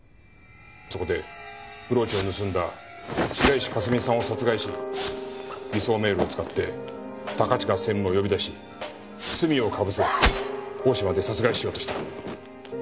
そこでブローチを盗んだ白石佳澄さんを殺害し偽装メールを使って高近専務を呼び出し罪をかぶせ大島で殺害しようとした。